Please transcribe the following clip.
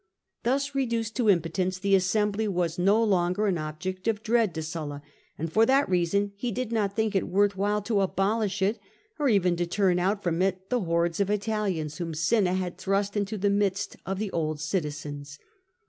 Thus reduced to impotence, the assembly was no longer an object of dread to Sulla; and for that reason he did not think it worth while to abolish it, or even to turn out from it the hordes of Italians whom Cinna had thrust into the midst of the old citizens.